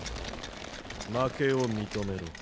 負けを認めろ。